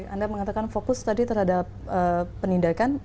anda mengatakan fokus tadi terhadap penindakan